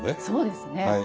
そうですね。